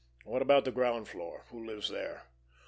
What about the ground floor? Who lives there?"